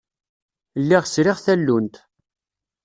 Lliɣ sriɣ tallunt.